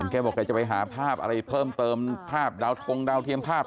แกบอกแกจะไปหาภาพอะไรเพิ่มเติมภาพดาวทงดาวเทียมภาพ